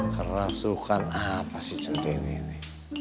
kerasukan apa sih centini ini